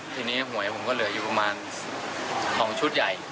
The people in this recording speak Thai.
ทีนี้หวยผมก็เหลืออยู่ประมาณ๒ชุดใหญ่